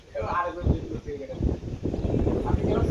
অন্যদের সাথে মজা লাগে নাই।